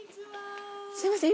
すいません